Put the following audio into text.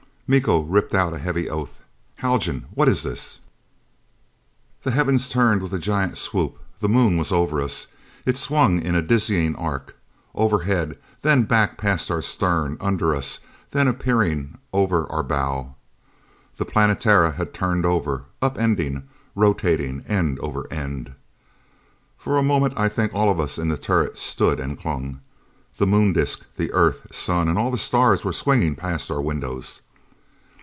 Miko ripped out a heavy oath. "Haljan! What is this?" The heavens turned with a giant swoop. The Moon was over us. It swung in a dizzying arc. Overhead, then back past our stern; under us, then appearing over our bow. The Planetara had turned over. Upending. Rotating, end over end. For a moment I think all of us in the turret stood and clung. The Moon disc, the Earth, Sun and all the stars were swinging past our windows.